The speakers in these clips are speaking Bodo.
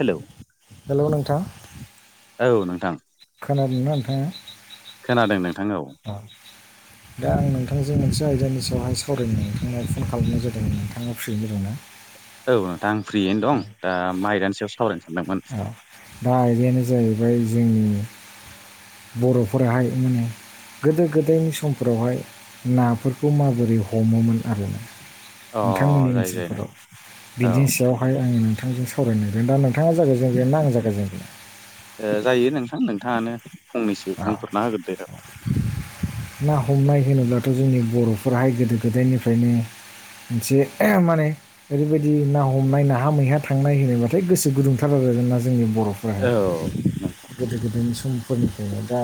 हेलौ हेलौ नोंथां औ नोंथां खोनादोंना नोंथाङा खोनादों नोंथां औ औ दा आं नोंथांजों मोनसे आयदानि सायावहाय सावरायनो नोंथांनो फन खालामनाय जादों नोंथाङा फ्रियैनो दङना? औ नोंथां आं फ्रियैनो दं मा आयदानि सायाव सावरायनोसै औ दा आयदायानो जाहैबाय जोंनि बर'फोराहाय माने गोदो गोदायनि समफोरावहाय नाफोरखौ माबोरै हमोमोन आरोना अ नोंथांमोननि जायो जायो ओनसोलफोराव औ बिदिनि सायावहाय आंङो नोंथांजों सावराय नागिरदों दा नोंथां नोंथांङा जागाय जेनोना आं जागाय जेनो जायो नोंथां नोंथांङानो फंनैसो औ बुंफोरना होगोन दे औ ना हमनाय होनोब्लाथ' जोंनि बर'फोराहाय गोदो गोदायनिफ्रायनो जे ओ माने ओरैबायदि ना हमनाय नाहा मैहा थांनाय होनायबाथाय गोसो गुदुंथार आरो आरोना जोंनि बर' औ गोदो गोदायनि समफोरनिफ्रायनो दा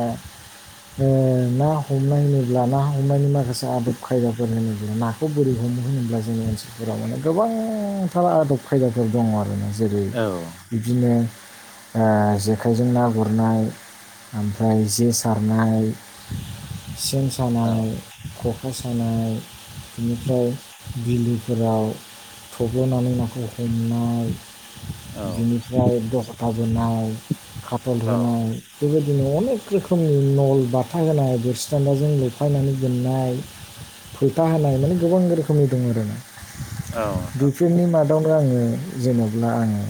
ना हमनाय होनोब्ला ना हमनायनि माखासे आदब खायदाफोर होनोब्ला ना खौ बोरै हमो होनोब्ला जोंनि ओनसोलफोरााव माने गोबांथार आदब खायदाफोर दंङो आरोना ज जेरै औ बिबदिनो जेखाइजों ना गुरनाय ओमफ्राय जे सारनाय सेन सार औ खखा सानाय बेनिफ्राय बिलोफोराव थब्ल'नानै नाखौ हमनाय औ बिनिफ्राय दखथा बोनाय खाथल होनाय बेबो नआवनो अनेक रोखोमनि नल बाथा होनाय बोरसि दान्दाजों लोफायनानै बोननाय फाथो होनाय माने गोबां रोखोमनि दं आरोना औ बिफोरनि मादाव बेावनो आंङो जेन'ब्ला आंङो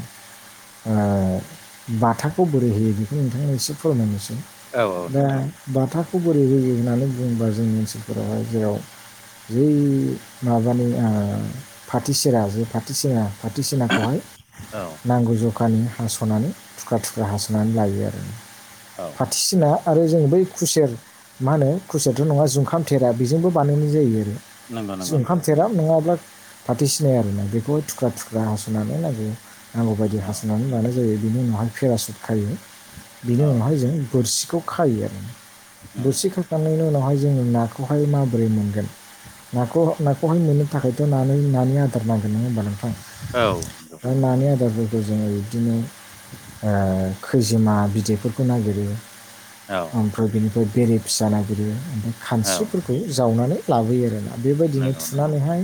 बाथाखौ बोरै होयो बेखौ नोंथांमोना एसे फोरमायनोसै औ दा नोंथां बाथाखौ बोरै होयो होननानै बुंङोबा जोंनि ओनसोल फोरावहाय जेराव जि माबानि फाथो सेरा जे फाथो सेरा बाथोसेनाखौहाय औ नोंथां औ नांगौ जखानि हास'नानै थुख्रा थुख्रा हास'नानै लायो आरो औ फाथोसिना आरो जोंङो बै खुसेर मा होनो खुसियाथ' नंङा जुखाम थेरा बेजोंबो बानायनाय जायो आरो नंगौ नंगौ ओंखाम नोंथां थेराम नंङाब्ला फाथो सिनाय आरोना बेखौबो थुख्रा थुख्रा हास'नानै नागिरो नांगौ बायायदि औ हासबनानै लानाय जायो बिनि उनावहाय पेराशुट खायो। बिनि औ उनावहाय जों बोरसिखौ खायो नंगौ बोरसिखौ हखांनायनि उनावहाय जोंङो नाखौहाय माबोरै मोनगोन नाखौ नाखौहाय मोननो थाखायथ' नानो नानि आदार नांगोन नंङा होमबा नोंथां औ ओमफ्राय नानि आदारफोरखौ जोंङो बिदिनो खैजोमा बिदै फोरखौ नागिरो औ ओमफ्राय बेनिफ्राय बेरे फिसा नागिरो ओमफ्राय औ खानस्रिफोरखौ जावनानै लाबोयो आरोना बेबायदिनो नंगौ नंगौ थुनानैहाय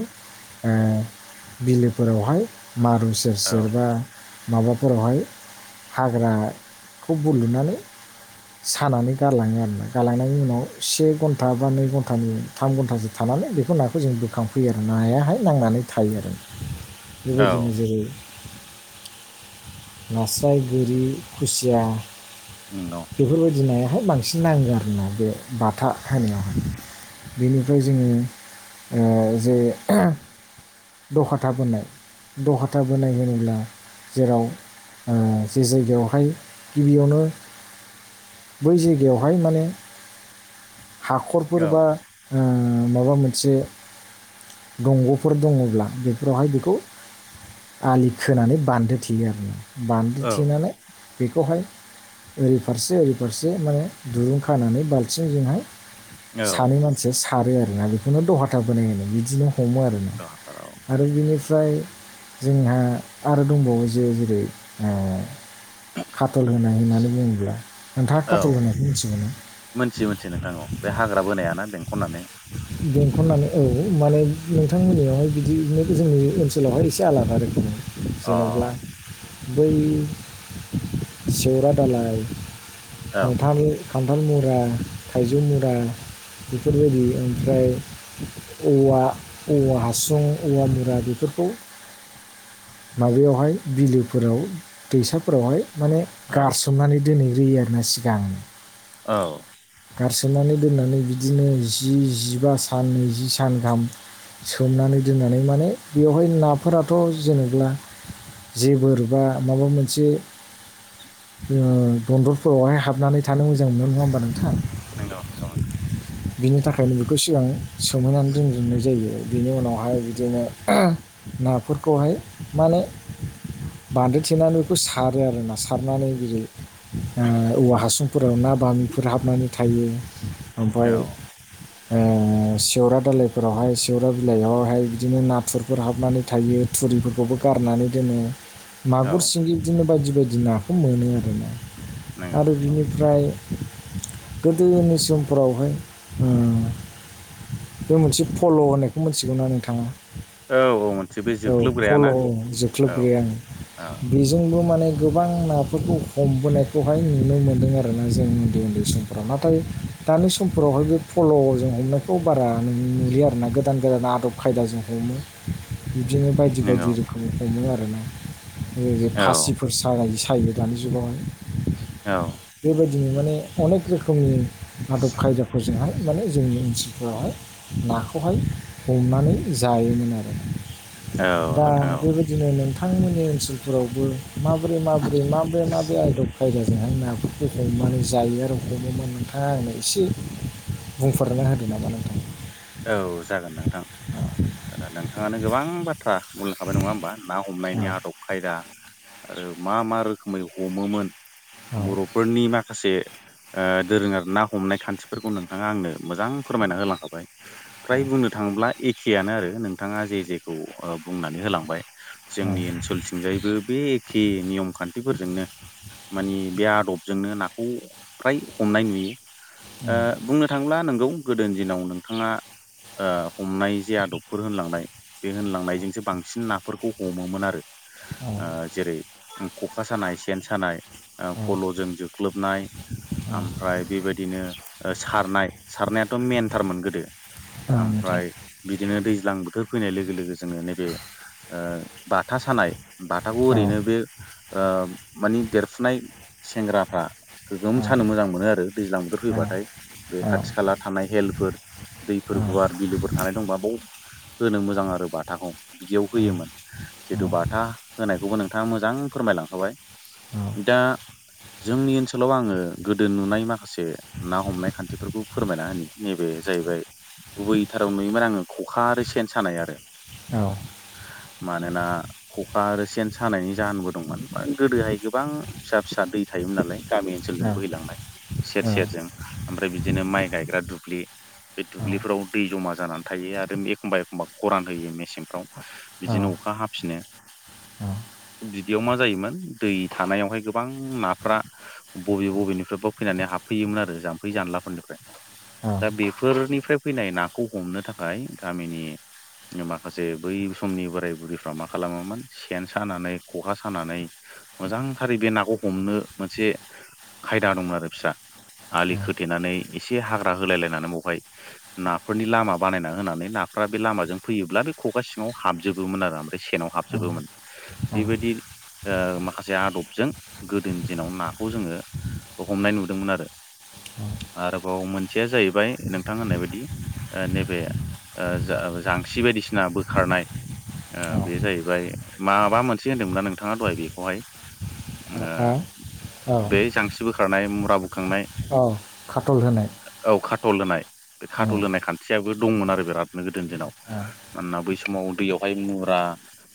बिलोफोरावहाय मारु सेर औ सेर बा माबाफोरावहाय हाग्रा बुलुनानै सानानै गालांङो आरो ना गालांनायनि उनाव से घन्टा बा नै घन्टानि थाम घन्टासो थानानै बेखौ नाखौ जों बोखांफैयो आरो नायाहाय नांनानै थायो आरो औ बेबायदिनो जेरै नास्राय गोरि खुसिया नंगौ बेफोरबायदि नायाहाय बांसिन नांङो आरो ना बे बाथा होनायावहाय बेनिफ्राय जोंङो जे दखथा बोनाय दख था बोनाय होनोब्ला जेराव जे जायगायावहाय गिबियावनो बै जायगायावहाय माने औ हाखरफोर औ बा माबा मोनसे दंग'फोर दङब्ला बेफोरावहाय बेखौ आलि खोनानै बान्दो थेयो आरो ना बान्दो थेनानै बेखौहाय ओरै फारसे ओरै फारसे माने दुरुं खानानै बाल्थिंजोंहाय सानै मानसिया सारो आरोना बेखौनो दखाथा बोनाय होनो बिदिनो हमो आरोना आरो बिनिफ्राय जोंहा आरो दंबावो जे जेरै कटल होनाय होननानै बुङोब्ला नोंथाङा औ औ खाटल होनायखौ मिथिगौनो मोनथियो मोनथियो नोंथां औ बे हाग्रा बोनायाना बेंखननानै बेंखननानै औ माने नोंथांमोननियावहाय बिदि जोंनि ओनसोल स्कुलावहाय एसे आलादा रोखोम जेन'ब्ला अ बै सेवरा दालाय औ खान्थाल खान्थाल मुरा थाइजौ मुरा बेफोरबायदि ओमफ्राय औवा औवा हासुं औवा मुरा बेफोरखौ माबायावहाय बिलो फोराव दैसाफोरावहाय माने औ गारसोमनानै दोनहैग्रोयो आरोना सिगांनो औ गारसोमनानै दोननानै बिदिनो जि जिबा सान नैजि सान गाहाम सोमनानै दोननानै माने बेवहाय नाफोराथ' जेने जेबो बा माबा मोनसे ओ दनदरफोरावहाय हाब हाबनानै थानो मोजां मोनो नङा होमबा नोंथाङां नंगौ नंगौ बिनि थाखायनो बेखौ सिगां सोमोनानै दोनजोबनाय जायो बिनि उनावहाय बिदिनो नाफोरखौहाय माने बान्दो थेनानै बेखौ सारो आरो ना सारनानै जेरै औवा हासुं फोराव ना बामिफोर हाबनानै थायो औ ओमफ्राय सेवरा दलाइफोरावहाय सेवरा बिलाइयावहाय बिदिनो नाथुरफोर हाबनानै थायो थुरिफोरखौबो गारनानै दोनो औ मागुर सिंगि बिदिनो बायदि बायदि नाखौ मोनो आर ना नंगौ आरो नंगौ बिनिफ्राय गोदोनि समफोरावहाय बे मोनसे फल' होननायखौ मिथिगौना नोंथाङा औ औ मोनसे बे औ फल' जोख्लोबग्रायाना औ जोख्लोबग्राया ओं औ बे जोंबो माने गोबां नाफोरखौ हमबोनायखौहाय नुनो मोनदों आरोना जों उन्दै उन्दै सम नाथाय दानि समफोरावहाय बे फल'जों हमनायखौ बारा न नुयो आरोना गोदान गोदान आदब खायदाजों हमो बिदिनो बायदि नंगौ बायदि रोखोम हमो आरोना औ फासिफोर सायो सायो दानि जुगावहाय औ बेबायदिनो माने अनेक रोखोमनि आदब खायदाफोरजोंहाय माने जोंनि ओनसोलफोरावहाय नाखौहाय हमनानै जायोमोन आरो औ दा नोंथां औ बेबायदिनो नोंथांमोननि ओनसोलफोरावबो माबोरै माबोरै माबोरै माबोरै आदब खायदाजोंहाय नाफोरखौ हमनानै जायो आरो हमोमोन नोंथाङा होनो एसे बुंफोरना होदो नामा नोंथां औ जागोन नोंथां नोंथाङानो गोबां बाथ्रा बुंलांखाबाय नङा होमब्ला ना हमनायनि औ आदब खायदा आरो मा मा रोखोमै हमोमोन औ बर' फोरनि माखासे दोरोङारि ना हमनाय खान्थिफोरखौ नोंथाङा आंनो मोजां फोरमायना होलांखाबाय फ्राय बुंनो थाङोब्ला एखेयानो आरो नोंथाङा जे जेखौ बुंनानै होलांबाय औ जोंनि ओनसोलथिंजायैबो बेखे नियम खान्थिफोरजोंनो मानि बे आदबजोंनो नाखौ फ्राय हमनाय नुयो औ बुंनो थांब्ला नोंगौ गोदोनि दिनाव नोंथाङा ओ हमनाय जे आदबफोर होनलांनाय बे होनलांनायजोंसो बांसिन नाफोरखौ हमोमोन आरो। औ जेरै ख'खा सानाय सेन सानाय फल'जों जोख्लोबनाय ओमफ्राय बेबायदिनो सारनाय सारनायाथ' मेनथार मोनगोन औ नोंथां ओमफ्राय बिदिनो दैज्लां बोथोर फैनाय लोगो लोगो जोङो नैबे बाथा सानाय बाथाखौ औ ओरैनो बे मानि देरफुनाय सेंग्राफ्रा गोगोम औ सानो मोजां मोनो आरो दैज्लां बोथोर औ फैबाथाय बे औ खाथि खाला थानाय हेलफोर दैफोर औ गुवार बिलोफोर थानाय दंबा बेयाव होनो मोजां आरो बाथाखौ बिदियाव होयोमोन। जिथु बाथा होनायखौबो नोंथाङा मोजां फोरमायलांखाबाय दा जोंनि ओनसोलाव आङो गोदो नुनाय माखासे ना हमनाय खान्थिफोरखौ फोरमायना होनि नैबे जाहैबाय गुबैथाराव नुयोमोन आङो खखा आरो सेन सानाय आरो। [inaudible] मानोना खखा आरो सेन सानायनि जाहोनबो दंमोन गोदोहाय गोबां फिसा फिसा दै थायोमोन नालाय। गामि ओनसोलजों बोहैलांनाय सेर सेरजों ओमफ्राय बिदिनो माइ गायग्रा दुब्लि बे दुब्लिफोराव दै जमा जानानै थायो आरो एखम्बा एखमबा गरान होयो मेसें औ बिदिनो अखा हाफिनो। औ बिदियाव मा जायोमोन दै थानायावहाय गोबां नाफ्रा बबे बबेनिफ्रायबो फैनानै हाबफैयोमोन आरो जाम्फै जानलाफोरनिफ्राय दा बेफोरनिफ्राय फैनाय नाखौ हमनो थाखाय गामिनि माखासे बै समनि बोराय बुरैफ्रा मा खालामोमोन? सेन सानानै खखा सानानै मोजांथारै बे नाखौ हमनो मोनसे खायदा दंमोन आरो बिस्रा आलि खोथेनानै एसे हाग्रा होलाय लायनानै बावहाय नाफोरनि लामा बानायना होनानै नाफोरा बे लामाजों फैयोब्ला बे खगा सिङाव हाबजोबोमोन आरो ओमफ्राय सेनाव हाब [inaudible] बेबायदि माखासे आदबजों गोदोनि दिनाव नाखौ जोङो हमनाय नुदोंमोन आरो आरोबाव मोनसेया जाहैबाय नोंथां होननाय बायदि नैबे जा जांसि्रि बायदिसिना बोखारनाय बे जाहैबाय माबा मोनसे होन्दोंमोन नोंथाङा दहाय बेखौहाय बे जांसि्रि बोखारनाय मुरा बोखांनाय औ खाटल होनाय औ खाटल होनाय बे औ खाटल होनाय खान्थियाबो दंमोन आरो बिरादनो गोदोनि दिनाव औ मानोना बै समाव दैयावहाय मुरा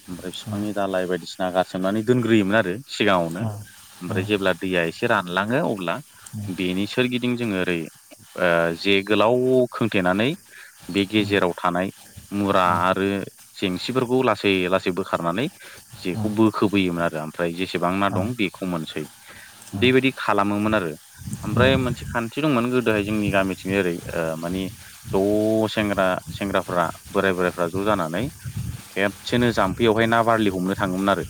ओमफ्राय बिफांनि दालाय बायदिसिना गारसोमनानै दोनग्रोयोमोन आरो सिगाङावनो औ औ ओमफ्राय जेब्ला दैया एसे रानलाङो अब्ला औ बेनि सोरगिदिं जोङो ओरै जे गोलाव खोंथेनानै बे गेजेराव थानाय मुरा आरो जेंसिफोरखौ लासै लासै बोखारनानै जेखौ बोखोबोयोमोन आरो ओमफ्राय जेसेबां ना दं बेखौ मोनसै बेबायदि खालामोमोन आरो ओमफ्राय मोनसे खान्थि दंमोन गोदोहाय जोंनि गामि बिथि ओरै मानिे ज' सेंग्रा सेंग्राफोरा बोराय बोराइफ्रा ज' जानानै खेबसेनो जाम्फैयावहाय ना बारलि हमनो थाङोमोन आरो।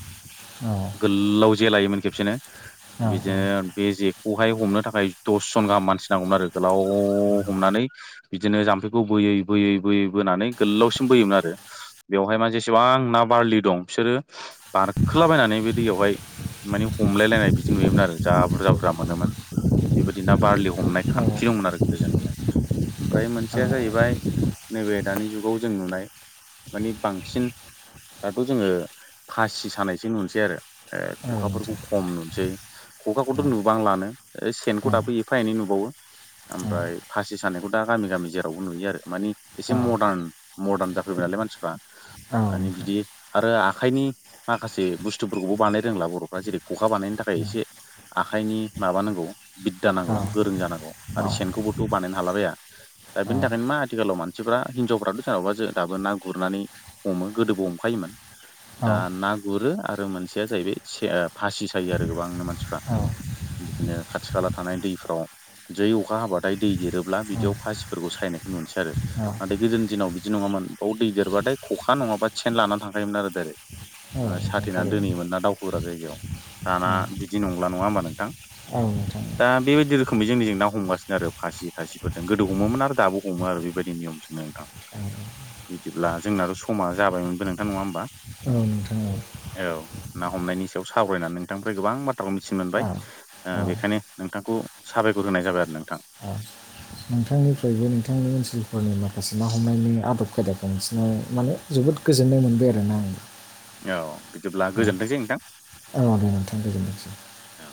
गोलाव जे लायोमोन खेबसेनो बिदिनो बे जेखौहाय हमनो थाखाय दसजन गाहाम मानसि नांगौमोन आरो गोलाव हमनानै बिदिनो जाम्फैखौ बोयै बोयै बोयै बोनानै गोलावसिम बोयोमोन आरो। बेवहाय माने जेसेबां ना बारलि दं बिसोरो बारखोलाबायनानै बे दैयावहाय मानि हमलायलायनाय बिदि नुयोमोन आरो जा बुरजा बुरजा मोनोमोन। बेबायदिना बारलि हमनाय खान्थि दंमोन आरो गोदो जोंनिया। ओमफ्राय मोनसेया जाहैबाय नैबे दानि जुगाव जों नुनाय मानि बांसिन दाथ' जोङो फासि सानायसो नुनोसै आरो खखाफोरखौ खम नुसै खखाखौथ' नुबां लानो सेनखौ दाबो एफा एनै नुबावो। ओमफ्राय फासि सानायखौ दा गामि गामि जेरावबो नुयो आरो मानि एसे मदार्न मदार्न जाफैबाय नालाय मानसिफ्रा माने बिदि आरो आखाइनि माखासे बुस्थुफोरखौबो बानायनो रोंला बर'फ्रा जेरै खखा बानायनो थाखाय एसे आखाइनि माबाानांगौ बिद्दा नांगौ गोरों जानांगौ आरो सेनखौबोथ' बानायनो हालाबाया दा बेनि थाखायनो मा आथिखालाव मानसिफ्रािनजावफथ' सोरनावबा जों दाबो ना गुरनानै हमो गोदोबो हमखायोमोन दा ना गुरो आरो मोनसेया जाहैबाय फासि सायो आरो गोबांनो मानसिफ्रा। बिदिनो खाथि खाला थानाय दैफ्राव जै अखा हाबादै दै देरोब्ला बिदियाव फासिफोरखौ स्रायनायखौ नुनोसै आरो। नाथाय गोदोनि दिनाव बिदि नङामोन बाव दै देरबाथाय खखा नङाबा सेन लानानै थांखोम आरो डाइरेक्ट। साथेनानै दोनैयोमोन ना दावखोग्रा जायगायाव दाना बिदि नंला नङा होमबा नों दा बेबायदि रोखोमै जोंनि जों ना हमगासिनो आरो फासि थासिफोरजों गोदो हमोमोन आरो दाबो हमो आरो बेबायदि नियमजोंनो नोंथां। बिदिब्ला जोंनाथ' समा जाबायमोन गोनथा नङा होमब्ला औ नोंथां औ औ ना हमनायनि सायाव सावरायनानै नोंथांनिफ्राय गोबां बाथ्राखौ मिथिनो मोनबाय। बेखायनो नोंथांखौ साबायखर होनाय जाबाय आरो नोंथां। नोंथांनिफ्रायबो नोंथांनि ओनसोलफोरनि माखासे ना हमनायनि आदब खायदा बांसिन माने जोबोद गोजोननाय मोनबाय आरोना आं। औ बिदिब्ला गोजोनथोंसै नोंथां। औ दे नोंथां गोजोननोसै। औ